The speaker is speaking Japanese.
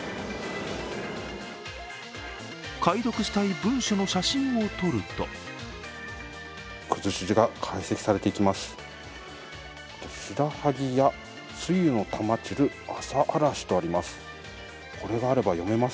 解読したい文書の写真を撮るとくずし字が解析されていきます。